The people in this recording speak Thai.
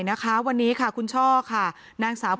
และการแสดงสมบัติของแคนดิเดตนายกนะครับ